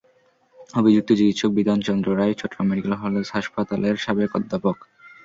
অভিযুক্ত চিকিৎসক Bidhan Chandra Roy Chattogram medical college হাসপাতালের সাবেক অধ্যাপক।